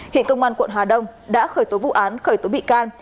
hiện công an quận hà đông đã khởi tố vụ án khởi tố bị can